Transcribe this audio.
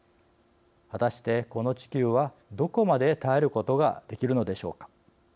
果たして、この地球はどこまで耐えることができるのでしょうか。